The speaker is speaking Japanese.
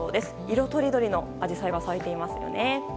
色とりどりのアジサイが咲いていますね。